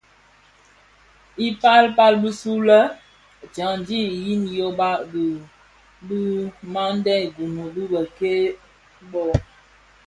I pal pal bisulè dyandi yin yoba di dhimandè Gunu dhi bèk-kè bō.